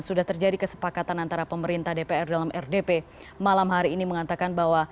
sudah terjadi kesepakatan antara pemerintah dpr dalam rdp malam hari ini mengatakan bahwa